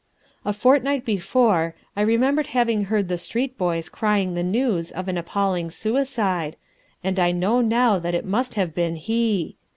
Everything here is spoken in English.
"A fortnight before, I remembered having heard the street boys crying the news of an appalling suicide, and I know now that it must have been he.